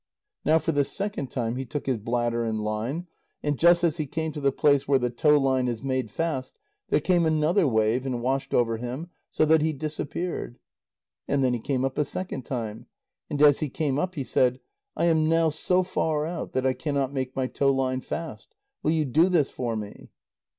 Now for the second time he took his bladder and line, and just as he came to the place where the tow line is made fast, there came another wave and washed over him so that he disappeared. And then he came up a second time, and as he came up, he said: "I am now so far out that I cannot make my tow line fast. Will you do this for me?"